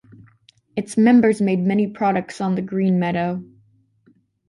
Its members made many products on the 'green meadow'.